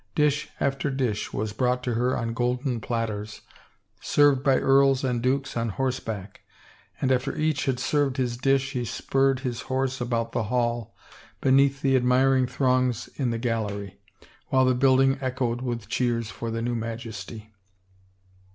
Dish after dish was brought to her on golden platters, served by earls and dukes on horseback, and after each had served his dish he spurred his horse about the hall beneath the admiring throngs in the gallery, while the building echoed with cheers for the new Majesty.